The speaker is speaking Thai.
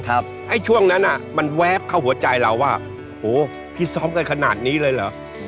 ไอ้ช่วงนั้นอ่ะมันแวบเข้าหัวใจเราว่าโหพี่ซ้อมกันขนาดนี้เลยเหรอ